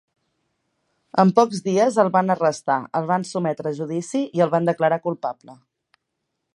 En pocs dies el van arrestar, el van sotmetre a judici i el van declarar culpable.